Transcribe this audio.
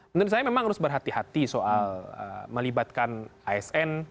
menurut saya memang harus berhati hati soal melibatkan asn